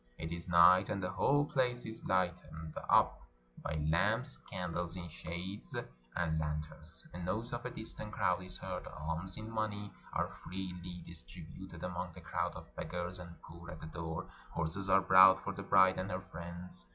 It is night ; and the whole place is lighted up by lamps, candles in shades, and lanterns. A noise of a distant crowd is heard; alms in money are freely distributed among the crowd of beggars and poor at the door; horses are brought for the bride and her friends.